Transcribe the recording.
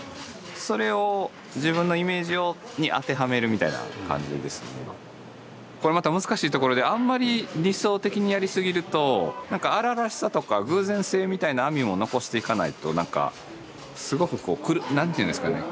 何ていうんですかねこれまた難しいところであんまり理想的にやり過ぎると荒々しさとか偶然性みたいな編みも残していかないとなんかすごくこう何ていうんですかね